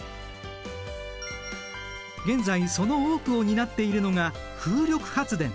現在その多くを担っているのが風力発電。